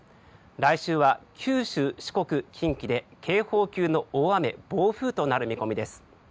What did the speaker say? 来週は九州、四国、近畿で警報級の大雨暴風となる見込みです。